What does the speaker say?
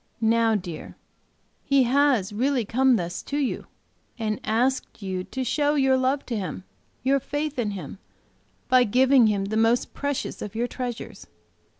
Now, dear, he has really come thus to you, and asked you to show your love to Him, your faith in Him, by giving Him the most precious of your treasures.